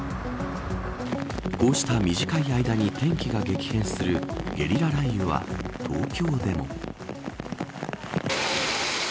こうした短い間に天気が激変するゲリラ雷雨は東京でも。